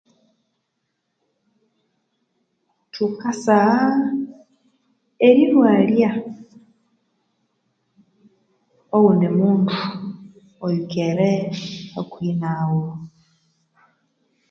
Thukasagha erirwalya oghundu mundu oyikere hakuhi nawu.